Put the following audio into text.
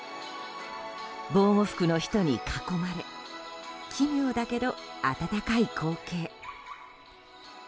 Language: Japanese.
防護服の人に囲まれ奇妙だけど温かい光景。